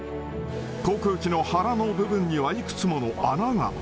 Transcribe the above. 航空機の腹の部分には、いくつもの穴が。